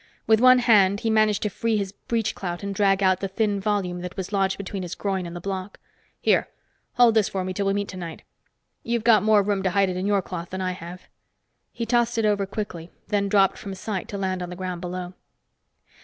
With one hand, he managed to free his breechclout and drag out the thin volume that was lodged between his groin and the block. "Here, hold this for me until we meet tonight. You've got more room to hide it in your cloth than I have." He tossed it over quickly, then dropped from sight to land on the ground below.